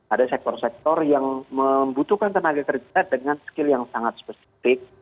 ada sektor sektor yang membutuhkan tenaga kerja dengan skill yang sangat spesifik